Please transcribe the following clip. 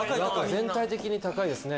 全体的に高いですね。